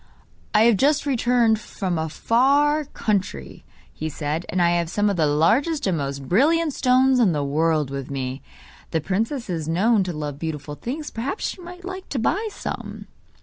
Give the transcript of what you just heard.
'I have just returned from a far country,' he said, 'and I have some of the largest and most brilliant stones in the world with me. The princess is known to love beautiful things, perhaps she might like to buy some?